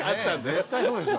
絶対そうでしょ。